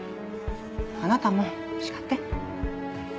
あなたも叱って。